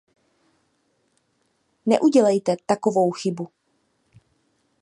Neudělejte takovou chybu.